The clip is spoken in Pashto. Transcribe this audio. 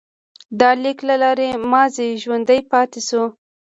د لیک له لارې ماضي ژوندی پاتې شو.